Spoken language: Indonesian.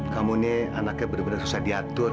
kamu nih anaknya bener bener sudah diatur